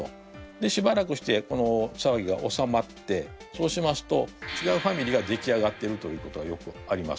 でしばらくしてさわぎがおさまってそうしますと違うファミリーが出来上がってるということがよくあります。